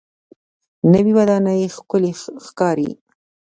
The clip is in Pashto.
نوې ودانۍ ښکلې ښکاري